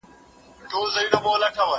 ما د سبا لپاره د سوالونو جواب ورکړی دی!؟